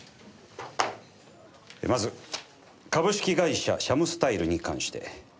まず株式会社シャムスタイルに関して。